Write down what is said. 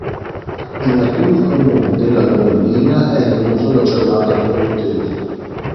In alcuni comuni della Lomellina è in uso la giornata piemontese.